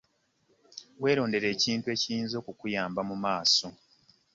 Werondere ekintu ekirinza okukuyamba mumaaso.